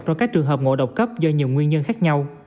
trong các trường hợp ngộ độc cấp do nhiều nguyên nhân khác nhau